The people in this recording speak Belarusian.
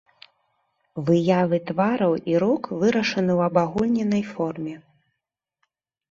Выявы твараў і рук вырашаны ў абагульненай форме.